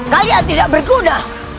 kalian tidak berguna